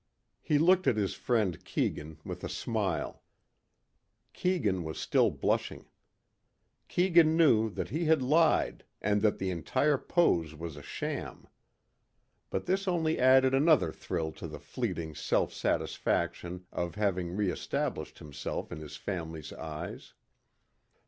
He looked at his friend Keegan with a smile. Keegan was still blushing. Keegan knew that he had lied and that the entire pose was a sham. But this only added another thrill to the fleeting self satisfaction of having re established himself in his family's eyes.